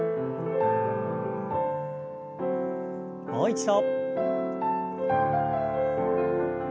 もう一度。